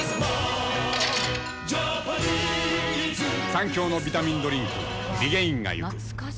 三共のビタミンドリンクリゲインが行く。